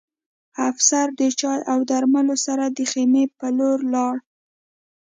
افسر د چای او درملو سره د خیمې په لور لاړ